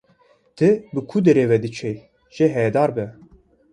Tu bi ku derê ve diçî jê haydar be.